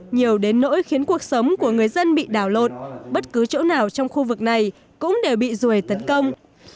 nhiều đến nỗi khiến cuộc sống của người dân bị đảo lộn bất cứ chỗ nào trong khu vực này cũng đều bị ruồi tấn công